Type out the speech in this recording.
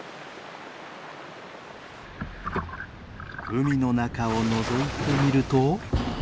海の中をのぞいてみると。